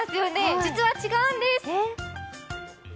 実は違うんです。